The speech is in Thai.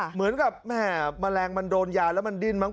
เหมือนกับแม่แมลงมันโดนยาแล้วมันดิ้นมั้